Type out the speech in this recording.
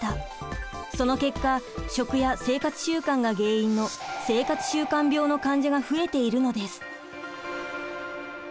その結果食や生活習慣が原因の生活習慣病の患者が増えているのです。